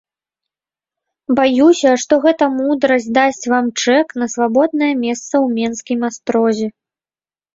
Баюся, што гэта мудрасць дасць вам чэк на свабоднае месца ў менскім астрозе.